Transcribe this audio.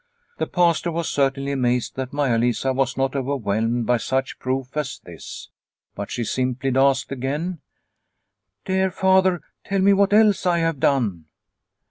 The Pastor was certainly amazed that Maia Lisa was not overwhelmed by such proof as this, but she simply asked again :" Dear Father, tell me what else I have done.